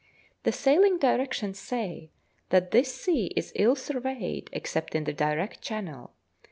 The sailing directions say that this sea is ill surveyed, except in the direct channel.